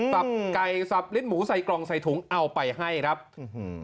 ไก่สับลิ้นหมูใส่กล่องใส่ถุงเอาไปให้ครับอื้อหือ